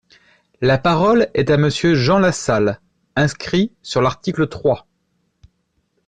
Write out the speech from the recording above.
La parole est à Monsieur Jean Lassalle, inscrit sur l’article trois.